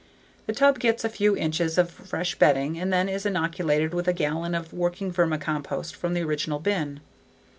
The tub gets a few inches of fresh bedding and then is inoculated with a gallon of working vermicompost from the original bin.